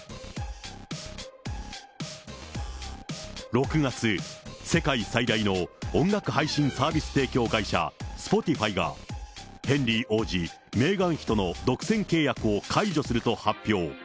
６月、世界最大の音楽配信サービス提供会社、Ｓｐｏｔｉｆｙが、ヘンリー王子、メーガン妃との独占契約を解除すると発表。